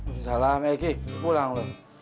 assalamualaikum eh ki pulang lo